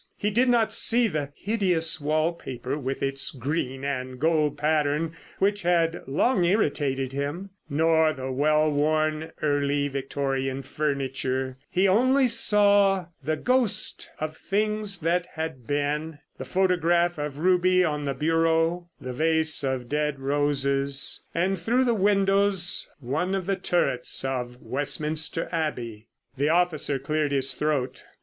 He did not see the hideous wallpaper with its green and gold pattern which had long irritated him, nor the well worn Early Victorian furniture. He only saw the Ghost of the Things that Had Been. The photograph of Ruby on the bureau, the vase of dead roses, and through the windows one of the turrets of Westminster Abbey. The officer cleared his throat.